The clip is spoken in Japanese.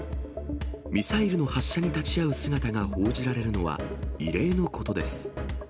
ミサイルの発射に立ち会う姿が報じられるのは異例のことです。